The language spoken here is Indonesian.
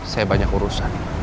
saya banyak urusan